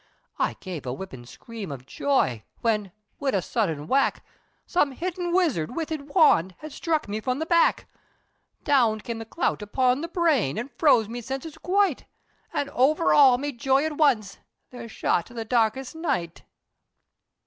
I gave a whipping screech of joy! Whin, wid a sudden whack, Some hidden wizard, riz his wand, An' sthruck me from the back, Down came the clout upon the brain, An' froze me senses quite, An' over all me joy at once, There shot the darkest night!